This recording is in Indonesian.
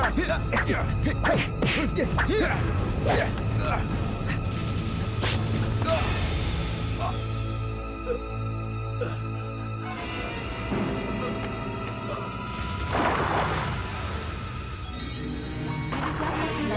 namanya aku tuh orang ketawa